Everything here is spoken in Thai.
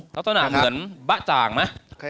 ลักษณะเหมือนบ๊ะจ่างไหม